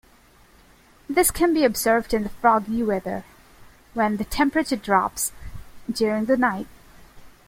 This can be observed in foggy weather, when the temperature drops during the night.